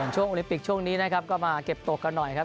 ช่วงโอลิปิกช่วงนี้นะครับก็มาเก็บตกกันหน่อยครับ